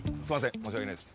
申し訳ないです。